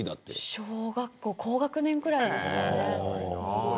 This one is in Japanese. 小学校高学年くらいですかね。